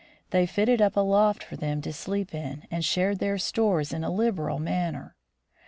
They fitted up a loft for them to sleep in and shared their stores in a liberal manner.